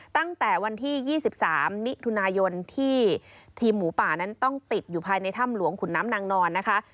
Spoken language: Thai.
ตั้งแต่วันที่๒๓มิถุนายนที่ทีมหมูป่านั้นต้องติดอยู่ภายในถ้ำหลวงขุนน้ำนางนอนนะคะ